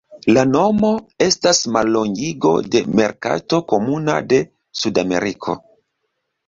La nomo estas mallongigo de "Merkato Komuna de Sudameriko".